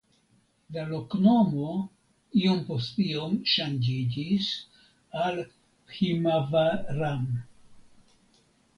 La loknomo iom post iom ŝanĝiĝis al "Bhimavaram".